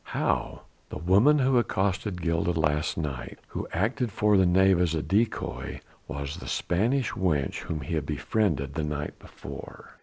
"How?" "The woman who accosted Gilda last night, who acted for the knave as a decoy, was the Spanish wench whom he had befriended the night before."